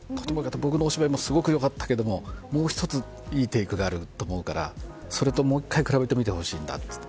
僕のお芝居もすごいよかったけどもう少しいいテイクがあると思うからそれともう１回比べてほしいんだと。